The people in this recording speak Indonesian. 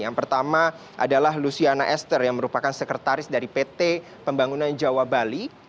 yang pertama adalah luciana esther yang merupakan sekretaris dari pt pembangunan jawa bali